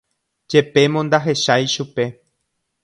Jepémo ndahechái chupe.